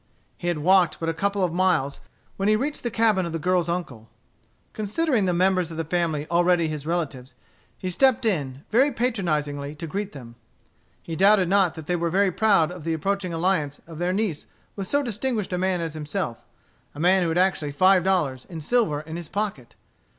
He had walked but a couple of miles, when he reached the cabin of the girl's uncle. Considering the members of the family already as his relatives, he stepped in, very patronizingly, to greet them. He doubted not that they were very proud of the approaching alliance of their niece with so distinguished a man as himself a man who had actually five dollars, in silver, in his pocket.